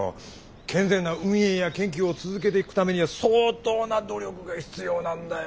健全な運営や研究を続けていくためには相当な努力が必要なんだよ。